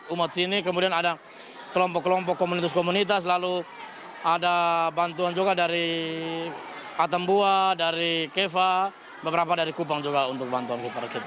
umat sini kemudian ada kelompok kelompok komunitas komunitas lalu ada bantuan juga dari atambua dari keva beberapa dari kupang juga untuk bantuan kupar kita